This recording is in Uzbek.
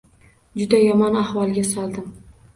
Juda yomon ahvolga soldim.